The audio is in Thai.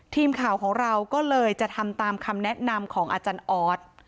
ทีมข่าวของเราก็เลยจะทำตามคำแนะนำของอาจารย์ออส